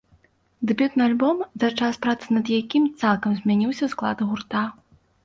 Дэбютны альбом, за час працы над якім, цалкам змяніўся склад гурта.